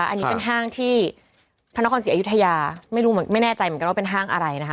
อันนี้มีห้างที่พนครศิกอายุทยาไม่รู้ไม่แน่ใจว่าเป็นห้างอะไรนะฮะ